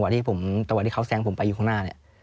ที่ผมตะวันที่เขาแซงผมไปอยู่ข้างหน้าเนี่ย